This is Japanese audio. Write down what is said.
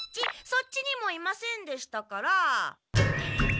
そっちにもいませんでしたから。